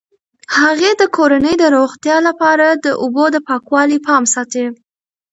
هغې د کورنۍ د روغتیا لپاره د اوبو د پاکوالي پام ساتي.